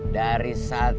dari satu orang